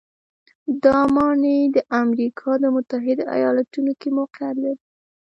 دا ماڼۍ د امریکا د متحدو ایالتونو کې موقعیت لري.